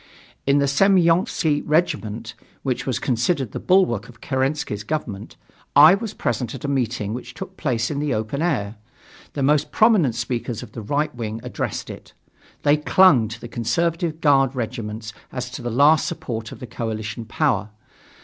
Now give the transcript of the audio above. In the Semyonofski regiment, which was considered the bulwark of Kerensky's government, I was present at a meeting which took place in the open air. The most prominent speakers of the right wing addressed it. They clung to the conservative guard regiments as to the last support of the coalition power.